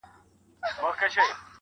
ميئن د كلي پر انجونو يمه,